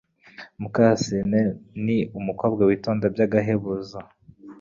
Mukarusine ni umukobwa witonda by’agahebuzo